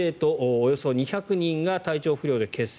およそ２００人が体調不良で欠席。